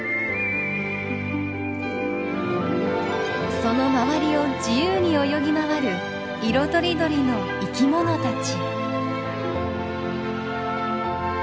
その周りを自由に泳ぎ回る色とりどりの生きものたち。